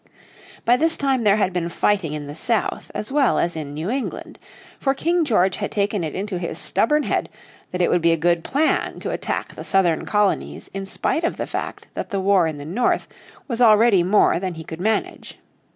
By this time there had been fighting in the south as well as in New England. For King George had taken it into his stubborn head that it would be a good plan to attack the southern colonies in spite of the fact that the war in the north was already more that he could manage.